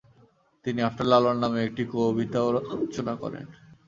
তিনি আফটার লালন নামে একটি কবিতাও রচনা করেন।